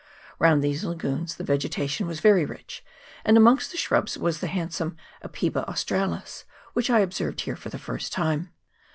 Round these lagoons the vegetation was very rich, and amongst the shrubs was the handsome Apeiba australis, which I observed here for the first time.